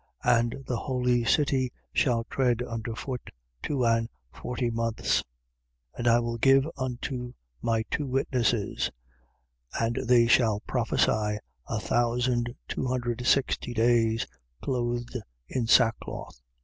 And the holy city they shall tread under foot, two and forty months: 11:3. And I will give unto my two witnesses: and they shall prophesy, a thousand two hundred sixty days, clothed in sackcloth.